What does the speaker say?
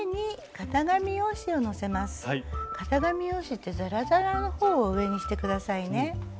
型紙用紙ってザラザラの方を上にして下さいね。